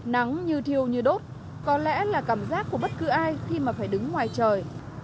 nắng như thiêu như đốt có lẽ là cảm giác của bất cứ ai khi mà phải đứng ngoài trời